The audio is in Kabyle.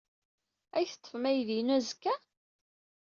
Ad iyi-teṭṭfem aydi-inu azekka?